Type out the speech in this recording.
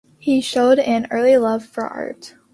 He showed an early love for art.